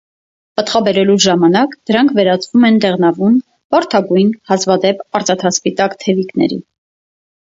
Պտղաբերելու ժամանակ դրանք վերածվում են դեղնավուն, վարդագույն, հազվադեպ արծաթասպիտակ թևիկների։